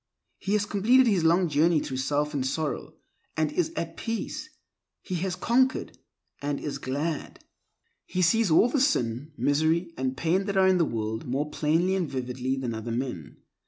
He has completed his long journey through self and sorrow, and is at peace. He has conquered, and is glad. He sees all the sin, misery, and pain that are in the world more plainly and vividly than other men.